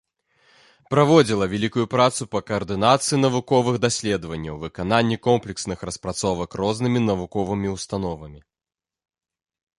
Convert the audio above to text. Праводзіла вялікую працу па каардынацыі навуковых даследаванняў, выкананні комплексных распрацовак рознымі навуковымі ўстановамі.